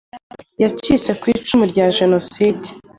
yacitse ku icumu rya jenoside